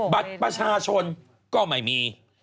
บัตรประชาชนก็ไม่มี